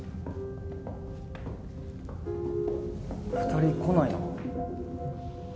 ２人来ないな。